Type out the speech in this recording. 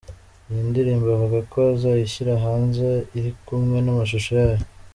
Iyi ndirimbo avuga ko azayishyira hanze iri kumwe n’amashusho yayo.